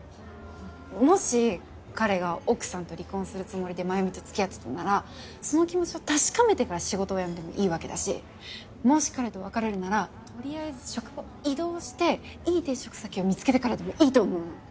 もし彼が奥さんと離婚するつもりで繭美と付き合ってたならその気持ちを確かめてから仕事を辞めてもいいわけだしもし彼と別れるならとりあえず職場を異動していい転職先を見つけてからでもいいと思うの。